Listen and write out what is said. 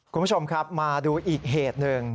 คุณผู้ชมครับมาดูอีกเหตุหนึ่ง